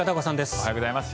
おはようございます。